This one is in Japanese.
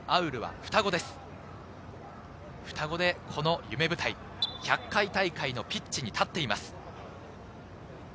双子でこの夢舞台、１００回大会のピッチに立っています。